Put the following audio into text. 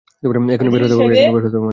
এখনই বের হতে হবে আমাদের।